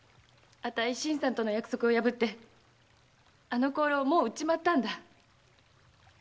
あたい新さんとの約束を破ってあの香炉をもう売っちまったんだ。